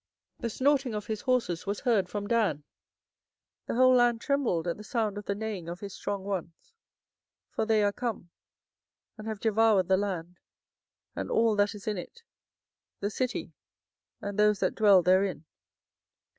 24:008:016 The snorting of his horses was heard from Dan: the whole land trembled at the sound of the neighing of his strong ones; for they are come, and have devoured the land, and all that is in it; the city, and those that dwell therein.